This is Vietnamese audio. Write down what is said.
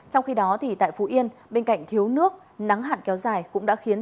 trong khi đó tại phú yên bên cạnh thiếu nước nắng hạn kéo dài cũng đã khiến